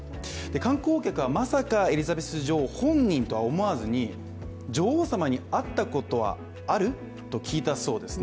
観光客は、まさかエリザベス女王本人とは思わずに、女王様に会ったことはある？と聞いたそうです。